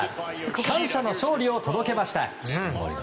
感謝の勝利を届けました。